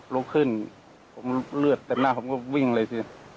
ลุกขึ้นผมเลือดเต็มหน้าผมก็วิ่งเลยสิ